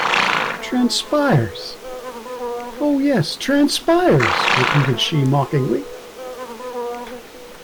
“‘Transpires’ — oh yes!” “‘Transpires!’” repeated she mockingly.